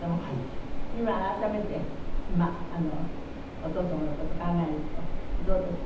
今改めてお父様の事考えるとどうです？